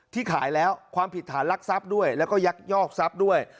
ขายแล้วความผิดฐานรักทรัพย์ด้วยแล้วก็ยักยอกทรัพย์ด้วย